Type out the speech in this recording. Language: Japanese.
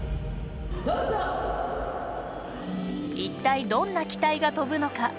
一体どんな機体が飛ぶのか。